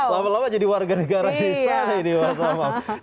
lama lama jadi warga negara di sana ini mas amam